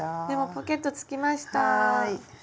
でもポケットつきました！